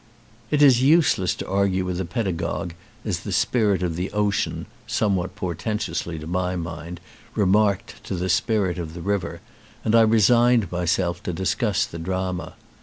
It is useless to argue with a pedagogue, as the Spirit of the Ocean (somewhat portentously to my mind) remarked to the Spirit of the River and I resigned myself to discuss the drama.